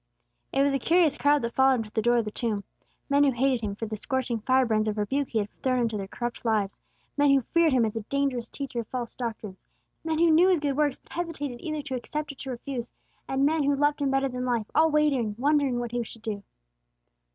It was a curious crowd that followed Him to the door of the tomb: men who hated Him for the scorching fire brands of rebuke He had thrown into their corrupt lives; men who feared Him as a dangerous teacher of false doctrines; men who knew His good works, but hesitated either to accept or refuse; and men who loved Him better than life, all waiting, wondering what He would do.